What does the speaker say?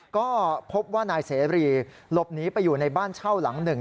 ก็พบว่านายเสรีหลบหนีไปอยู่ในบ้านเช่าหลังหนึ่ง